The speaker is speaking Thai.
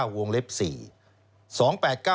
วงเล็ก๔